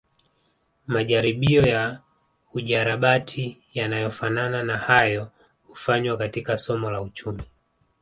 Majaribio ya ujarabati yanayofanana na hayo hufanywa katika somo la uchumi